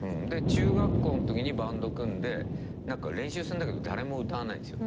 中学校のときにバンド組んで何か練習すんだけど誰も歌わないんですよ。